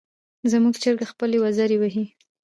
زموږ چرګه خپلې وزرې وهي.